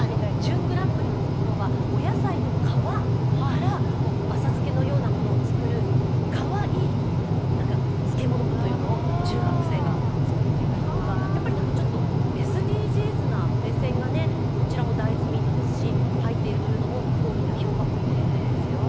準グランプリのところはお野菜の皮から浅漬けのようなものを作る皮いい漬物というのを中学生が作っていたりとかちょっとＳＤＧｓな目線が入っているというのも大きな評価ポイントだったようですよ。